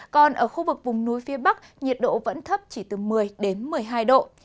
còn ở khu vực vùng núi phía bắc nhiệt độ vẫn thấp chỉ từ một mươi đến một mươi hai độ